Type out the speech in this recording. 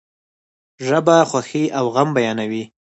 ژبه خوښی او غم بیانوي.